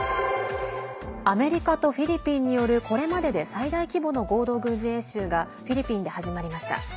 アメリカとフィリピンによるこれまでで最大規模の合同軍事演習がフィリピンで始まりました。